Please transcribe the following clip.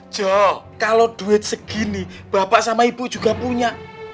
joh kalau duit segini bapak sama ibu juga punya